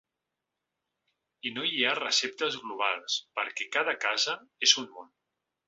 I no hi ha receptes globals, perquè cada casa és un món.